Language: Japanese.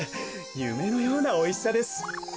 ゆめのようなおいしさです。